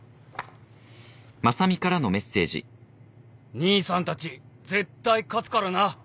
「兄さんたち絶対勝つからな！」